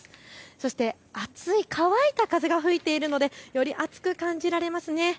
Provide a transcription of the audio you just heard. そして熱い乾いた風が吹いているのでより暑く感じられますね。